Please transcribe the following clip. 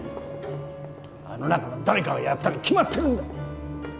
あの中の誰かがやったに決まってるんだ！